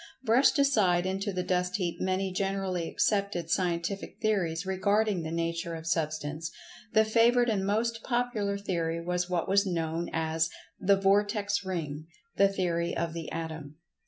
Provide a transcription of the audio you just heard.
brushed aside into the dust heap many generally accepted scientific theories regarding the nature of Substance, the favorite and most popular theory was what was known as the "Vortex ring" theory of the Atom.